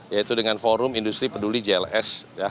yaitu dengan forum industri peduli jls